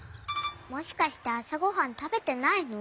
もしかしてあさごはんたべてないの？